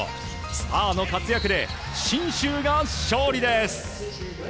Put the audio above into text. スターの活躍で信州が勝利です！